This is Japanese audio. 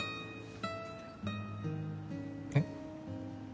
えっ？